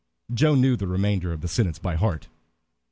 Joe knew the remainder of the sentence by heart.